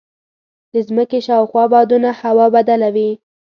د ځمکې شاوخوا بادونه هوا بدله وي.